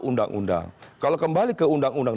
undang undang kalau kembali ke undang undang